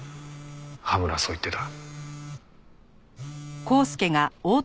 羽村はそう言ってた。